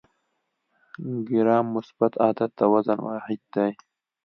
ګرام مثبت عدد د وزن واحد دی.